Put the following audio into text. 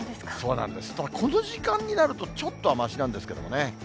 ただこの時間になると、ちょっとはましなんですけどもね。